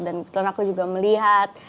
dan betulan aku juga melihat